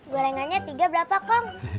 gorengannya tiga berapa kong